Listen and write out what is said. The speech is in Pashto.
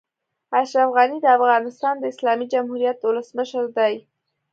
اشرف غني د افغانستان د اسلامي جمهوريت اولسمشر دئ.